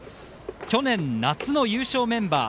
去年夏の優勝メンバー